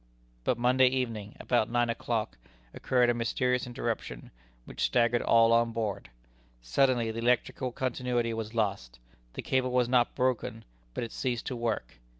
But Monday evening, about nine o'clock, occurred a mysterious interruption, which staggered all on board. Suddenly the electrical continuity was lost. The cable was not broken, but it ceased to work.